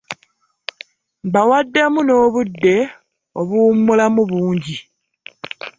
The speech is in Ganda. Mbawaddemu n'obudde obuwummulamu bungi.